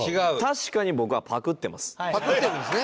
パクってるんですね？